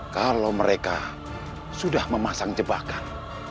kalau mereka sudah memasang jebakan